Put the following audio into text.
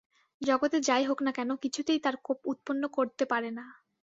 জগতে যাই হোক না কেন, কিছুতেই তাঁর কোপ উৎপন্ন করতে পারে না।